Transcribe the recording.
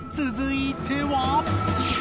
続いては。